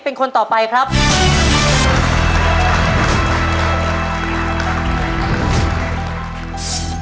ขอเชิญแม่จำรูนขึ้นมาต่อชีวิต